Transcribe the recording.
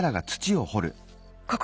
ここ。